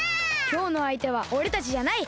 きょうのあいてはおれたちじゃない！